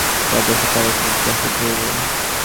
আমি বলিলাম, তাহা হইলে ছেলেটির দশা কী হইবে।